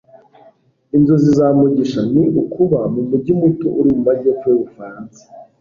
inzozi za mugisha ni ukuba mu mujyi muto uri mu majyepfo y'ubufaransa